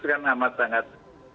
itu kan amat amat menggerakkan